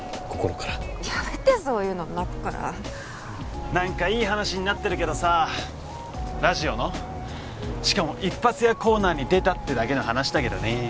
心からやめてそういうの泣くから何かいい話になってるけどさラジオのしかも一発屋コーナーに出たってだけの話だけどね